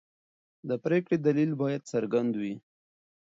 د پرېکړې دلیل باید څرګند وي.